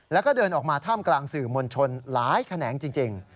แล้วก็เดินออกมาท่ามกลางสื่อมวลชนหลายแขนงจริง